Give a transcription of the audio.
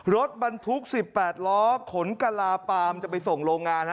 รถบรรทุก๑๘ล้อขนกะลาปามจะไปส่งโรงงานฮะ